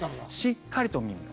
しっかりと耳を。